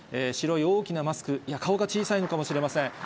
白い大きなマスク、いや、顔が小さいのかもしれません。